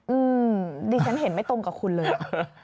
อืมดิฉันเห็นไม่ตรงกับคุณเลย